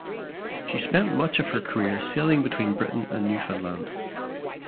She spent much of her career sailing between Britain and Newfoundland.